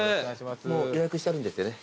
予約してあるんですよね？